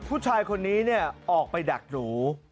ผู้ชายคนนี้ออกไปดักหรู